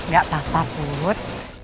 gak apa apa bud